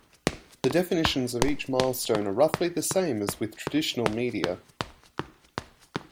The definitions of each milestone are roughly the same as with traditional media.